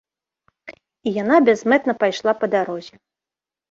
І яна бязмэтна пайшла па дарозе.